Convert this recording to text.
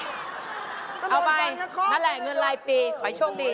เอาไปนั่นแหละเงินรายปีขอให้โชคดี